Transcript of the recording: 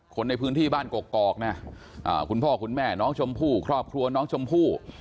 คนในพื้นที่บ้านกกอกนะคุณพ่อคุณแม่น้องชมพู่ครอบครัวน้องชมพู่